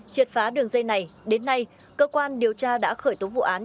triệt phá đường dây này đến nay cơ quan điều tra đã khởi tố vụ án